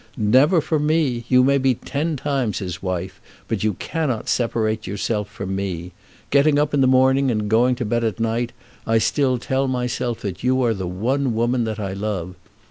"Never from me. You may be ten times his wife, but you cannot separate yourself from me. Getting up in the morning and going to bed at night I still tell myself that you are the one woman that I love.